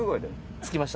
着きました。